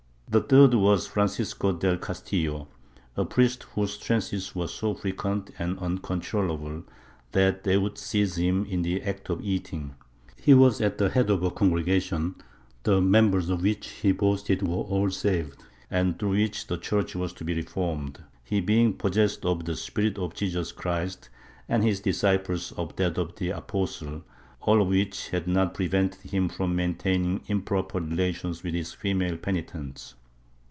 The third was Francisco del Castillo, a priest whose trances were so frequent and uncontrollable that they would seize him in the act of eating; he was at the head of a congregation, the members of wliich he boasted were all saved, and through which the Church was to be reformed, he being possessed of the spirit of Jesus Christ and his disciples of that of the Apostles— all of which had not prevented him from maintaining improper relations with his female penitents.